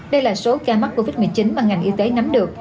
đây là số ca mắc covid một mươi chín mà ngành y tế nắm được